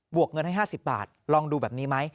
วกเงินให้๕๐บาทลองดูแบบนี้ไหม